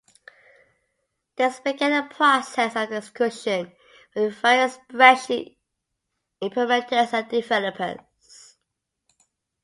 This began a process of discussion with various spreadsheet implementors and developers.